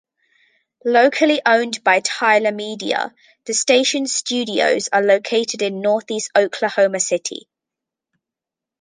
Locally owned by Tyler Media, the station's studios are located in Northeast Oklahoma City.